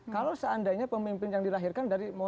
kalau seandainya pemimpin yang dilahirkan dari